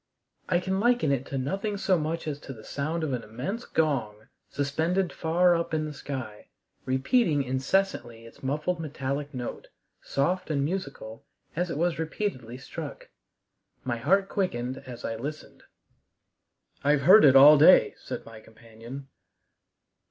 I can liken it to nothing so much as to the sound of an immense gong, suspended far up in the sky, repeating incessantly its muffled metallic note, soft and musical, as it was repeatedly struck. My heart quickened as I listened. "I've heard it all day," said my companion.